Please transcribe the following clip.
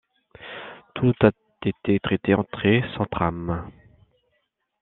Tout a été traité en traits sans trames.